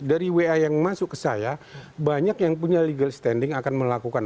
dari wa yang masuk ke saya banyak yang punya legal standing akan melakukan